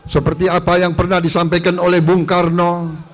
seperti apa yang pernah disampaikan oleh bung karno